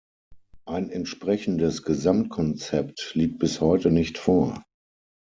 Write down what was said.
Ein entsprechendes Gesamtkonzept liegt bis heute nicht vor.